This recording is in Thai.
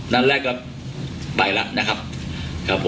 นั้นแรกครับไปละนะครับครับผมนะ